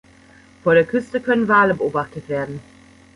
Vor der Küste können Wale beobachtet werden.